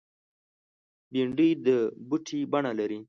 بېنډۍ د بوټي بڼه لري